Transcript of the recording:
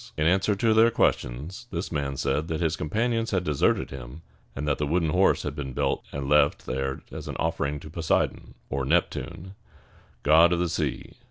In answer to their questions, this man said that his companions had deserted him, and that the wooden horse had been built and left there as an offering to Po sei´don (or Nep´tune), god of the sea.